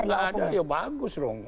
nggak ada ya bagus dong